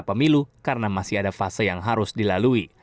pemilu karena masih ada fase yang harus dilalui